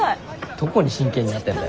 どこに真剣になってんだよ。